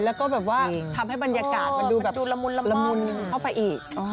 แล้วก็แบบว่าทำให้บรรยากาศมันดูแบบดูละมุนละมุนเข้าไปอีก